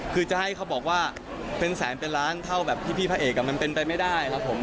คือจะให้เขาบอกว่าเป็นแสนเป็นล้านเท่าแบบพี่พระเอกมันเป็นไปไม่ได้ครับผม